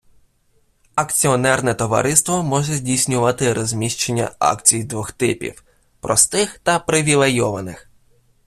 Акціонерне товариство може здійснювати розміщення акцій двох типів - простих та привілейованих.